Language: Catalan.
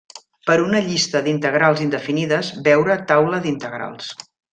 Per una llista d'integrals indefinides, veure taula d'integrals.